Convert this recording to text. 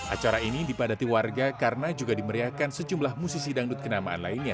acara ini dipadati warga karena juga dimeriahkan sejumlah musisi dangdut kenamaan lainnya